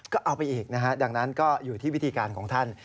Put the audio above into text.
ก็เอาไปอีกนะฮะดังนั้นก็อยู่ที่วิธีการของท่าน